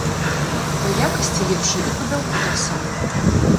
Па якасці лепшы і па бялку таксама.